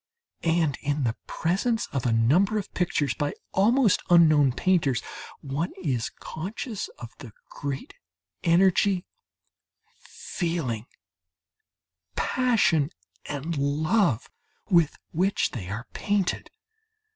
And in the presence of a number of pictures by almost unknown painters, one is conscious of the great energy, feeling, passion and love with which they are painted.